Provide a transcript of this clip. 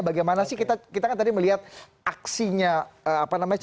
bagaimana sih kita kan tadi melihat aksinya calon presiden prabowo